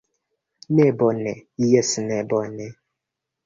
Ne bone, jes, ne bone.